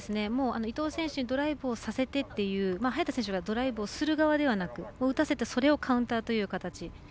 伊藤選手にドライブをさせてっていう早田選手はドライブをする側ではなく打たせてそれをカウンターという形。